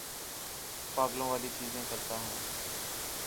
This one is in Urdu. پاگلوں والی چیزیں کرتا ہوں